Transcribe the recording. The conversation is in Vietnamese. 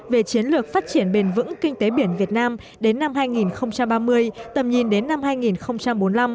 về chiến lược phát triển bền vững kinh tế biển việt nam đến năm hai nghìn ba mươi tầm nhìn đến năm hai nghìn bốn mươi năm